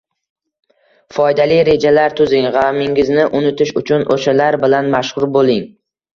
Foydali rejalar tuzing, g‘amingizni unutish uchun o‘shalar bilan mashg‘ul bo‘ling.